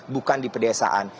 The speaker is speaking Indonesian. bukan di pedesaan